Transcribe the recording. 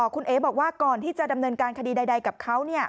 คุณเอ๋บอกว่าก่อนที่จะดำเนินการคดีใดกับเขา